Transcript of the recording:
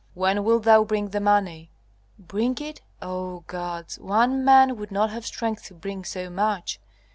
"When wilt thou bring the money?" "Bring it? O gods, one man would not have strength to bring so much.